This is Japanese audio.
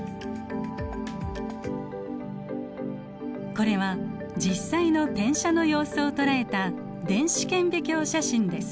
これは実際の転写の様子を捉えた電子顕微鏡写真です。